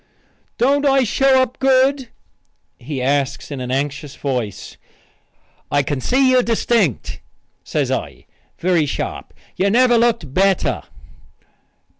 "Don't I show up good?" he asks in an anxious voice. "I can see you distinct," says I, very sharp. "You never looked better."